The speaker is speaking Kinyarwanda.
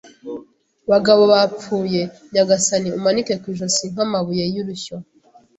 bagabo bapfuye, nyagasani, umanike ku ijosi nk'amabuye y'urusyo. ”